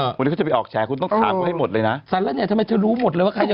วันนี้เขาจะไปอกแชคุณต้องถามให้หมดเลยนะสังปริศนี้ทำไมจะรู้หมดเลยว่าใครว่า